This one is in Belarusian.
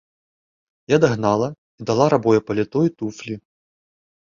Я дагнала і дала рабое паліто і туфлі.